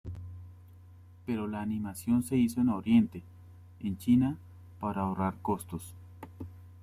Pero la animación se hizo en Oriente, en China, para ahorrar costos.